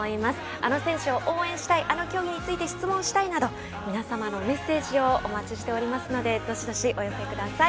あの選手を応援したいあの競技について質問したいなど皆様のメッセージをお待ちしておりますのでどしどしお寄せください。